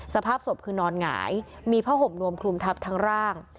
สภาพศพคือนอนหงายมีผ้าห่มนวมคลุมทับทั้งร่าง